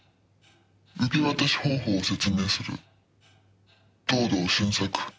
「受け渡し方法を説明する」「藤堂俊作